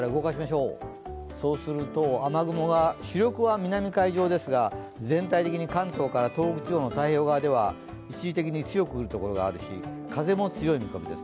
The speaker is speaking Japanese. そうすると雨雲が主力は南海上ですが、全体的に関東から東北地方の太平洋側では一時的に強く降るところがあるし風も強い見込みです。